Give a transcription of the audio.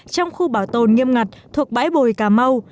trong khu bảo tồn nghiêm ngặt thuộc bãi bồi cà mau